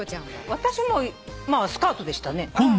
私もスカートでしたね。